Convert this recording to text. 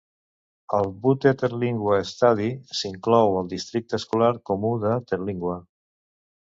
El Butte-Terlingua Study s'inclou al districte escolar comú de Terlingua.